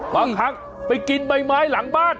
บางครั้งไปกินใบไม้หลังบ้าน